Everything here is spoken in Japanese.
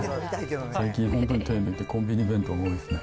最近、本当に手抜いて、コンビニ弁当が多いですね。